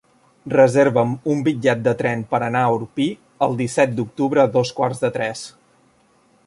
Reserva'm un bitllet de tren per anar a Orpí el disset d'octubre a dos quarts de tres.